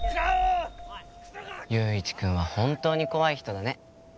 友一くんは本当に怖い人だね。